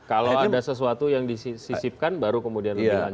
kalau ada sesuatu yang disisipkan baru kemudian dilanjutkan